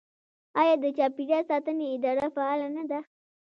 آیا د چاپیریال ساتنې اداره فعاله نه ده؟